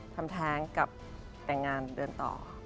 ทำแท้งกับแต่งงานเดินต่อ